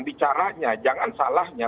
bicaranya jangan salahnya